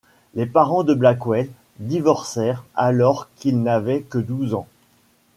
Les parents de Blackwell divorcèrent alors qu'il n'avait que douze ans.